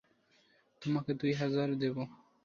তোমাকে দুই হাজার দেবো।